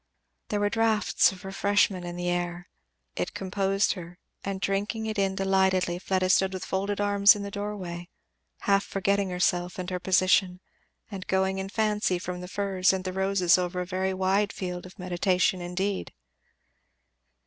There were draughts of refreshment in the air. It composed her, and drinking it in delightedly Fleda stood with folded arms in the doorway, half forgetting herself and her position, and going in fancy from the firs and the roses over a very wide field of meditation indeed.